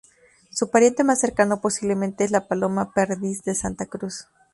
Su pariente más cercano posiblemente es la paloma perdiz de Santa Cruz.